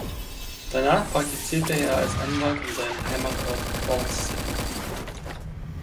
Danach praktizierte er als Anwalt in seinem Heimatort Falls City.